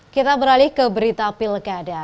kita beralih ke berita pilkada